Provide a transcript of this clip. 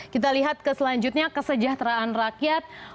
kita lihat ke selanjutnya kesejahteraan rakyat